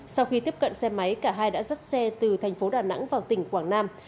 sau khi tiếp cận xe máy cả hai đã dắt xe từ tp đà nẵng vào tỉnh quảng nam